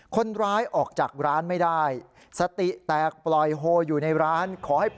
คนร้ายออกจากร้านไม่ได้สติแตกปล่อยโฮอยู่ในร้านขอให้